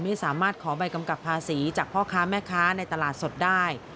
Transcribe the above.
ไม่สามารถขอใบกำกับภาษีจากพ่อค้าแม่ค้าในตลาดสดได้